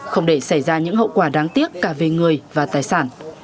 không để xảy ra những hậu quả đáng tiếc cả về người và tài sản